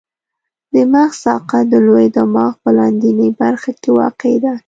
د مغز ساقه د لوی دماغ په لاندنۍ برخه کې واقع ده.